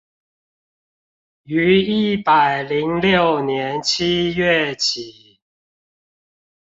於一百零六年七月起